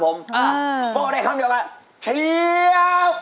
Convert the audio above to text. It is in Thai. เพราะก็ได้คำเดียวแหละชิบ